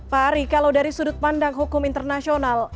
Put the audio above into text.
pak ari kalau dari sudut pandang hukum internasional